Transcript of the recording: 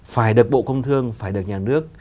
phải được bộ công thương phải được nhà nước